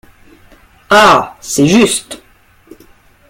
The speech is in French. Ah ! c’est juste.